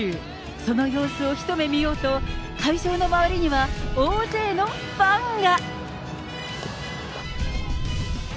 その様子を一目見ようと、会場の周りには大勢のファンが。